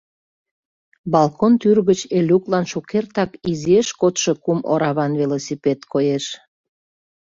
Балкон тӱр гыч Элюклан шукертак изиэш кодшо кум ораван велосипед коеш.